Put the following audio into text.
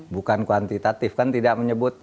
bukan kuantitatif kan tidak menyebut